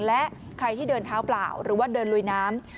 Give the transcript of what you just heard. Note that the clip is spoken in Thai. และใครที่เดินเท้าเปล่าหรือว่าเดินลุยน้ำ